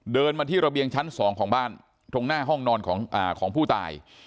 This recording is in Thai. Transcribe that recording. เดินมาที่ระเบียงชั้น๒ของบ้านตรงหน้าห้องนอนของผู้ตาย